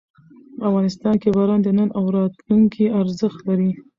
افغانستان کې باران د نن او راتلونکي ارزښت لري.